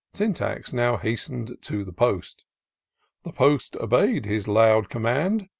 Syntax now hasten'd to the post: The post obey'd his loud command.